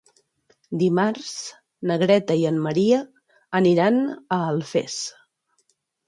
Dimarts na Greta i en Maria aniran a Alfés.